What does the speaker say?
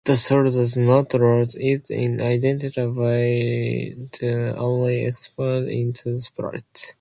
The soul does not lose its identity, but only expands into Spirit.